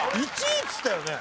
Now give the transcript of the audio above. １位っつったよね。